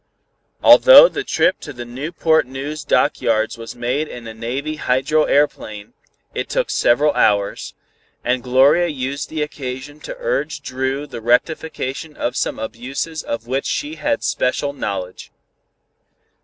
Although the trip to the Newport News Dock yards was made in a Navy hydroaeroplane it took several hours, and Gloria used the occasion to urge upon Dru the rectification of some abuses of which she had special knowledge.